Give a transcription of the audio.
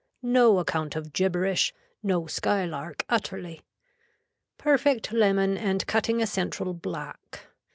No account of gibberish. No sky lark utterly. Perfect lemon and cutting a central black.